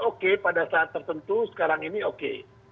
oke pada saat tertentu sekarang ini oke